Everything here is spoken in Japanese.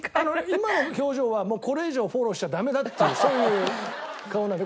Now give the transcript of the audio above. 今の表情はこれ以上フォローしちゃダメだっていうそういう顔なので。